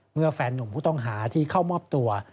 แฟนนุ่มผู้ต้องหาที่เข้ามอบตัว